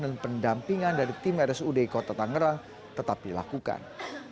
dan pendampingan dari tim rsu di kota tangerang tetap dilakukan